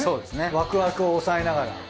ワクワクを抑えながら。